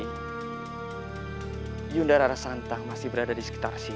hai yunda rasantan masih berada di sekitar sini